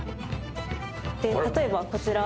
例えばこちら。